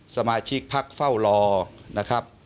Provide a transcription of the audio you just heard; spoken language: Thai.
สมาชิกพักเฝ้ารอนะครับ